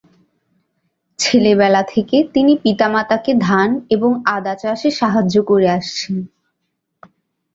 ছেলেবেলা থেকে তিনি পিতামাতাকে ধান এবং আদা চাষে সাহায্য করে আসছেন।